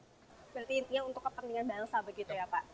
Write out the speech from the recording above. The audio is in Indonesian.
berarti intinya untuk kepentingan bangsa begitu ya pak